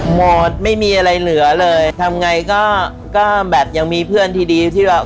หมดไม่มีอะไรเหลือเลยทำไงก็ก็แบบยังมีเพื่อนที่ดีที่แบบ